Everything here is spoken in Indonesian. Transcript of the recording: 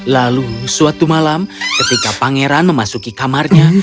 lalu suatu malam ketika pangeran memasuki kamarnya